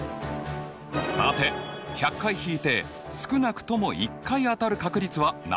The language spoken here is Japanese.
さて１００回引いて少なくとも１回当たる確率は何％かな？